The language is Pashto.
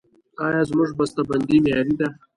آیا زموږ بسته بندي معیاري ده؟